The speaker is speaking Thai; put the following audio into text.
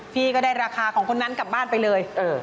พี่ก็ได้ราคาของคนนั้นกลับบ้านไปเลย